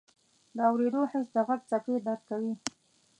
د اورېدو حس د غږ څپې درک کوي.